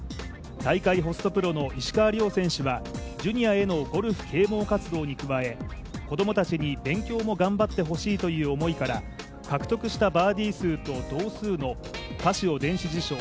大会ホストプロの石川遼選手はジュニアへのゴルフ啓もう活動に加え、子供たちに勉強も頑張ってほしいという思いから獲得したバーディー数と同数のカシオ電子辞書